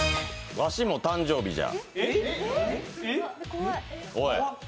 わしも誕生日じゃ！